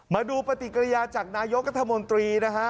มาดูปฏิกิริยาจากนายกรัฐมนตรีนะฮะ